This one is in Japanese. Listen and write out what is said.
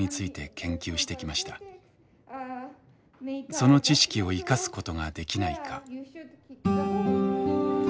その知識を生かすことができないか。